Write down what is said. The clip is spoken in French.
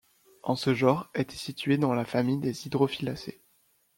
En ce genre était situé dans la famille des Hydrophyllacées.